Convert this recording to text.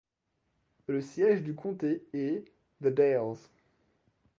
Le siège du comté est The Dalles.